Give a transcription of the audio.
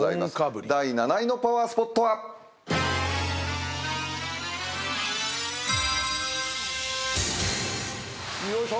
第７位のパワースポットは？よいしょ。